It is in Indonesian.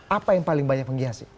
apa yang paling banyak menghiasi